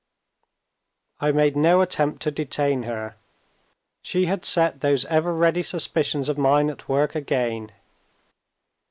I made no attempt to detain her. She had set those every ready suspicions of mine at work again.